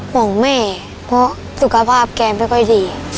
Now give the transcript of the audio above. ห่วงแม่เพราะสุขภาพแกไม่ค่อยดี